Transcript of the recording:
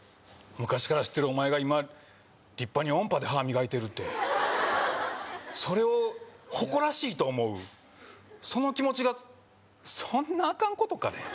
昔から知ってるお前が今立派に音波で歯磨いてるってそれを誇らしいと思うその気持ちがそんなあかんことかね？